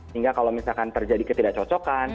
hingga kalau misalkan terjadi ketidak cocokan